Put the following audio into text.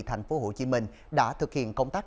thành phố hồ chí minh đã thực hiện công tác